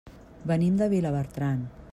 Venim de Vilabertran.